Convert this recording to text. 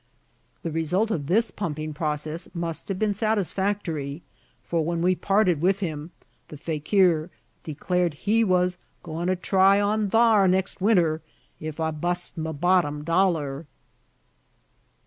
The result of this pumping process must have been satisfactory: for when we parted with him, the fakir declared he was "go'n' try't on thar, next winter, 'f I bust me bottom dollar!"